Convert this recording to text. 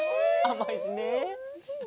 あまいしね。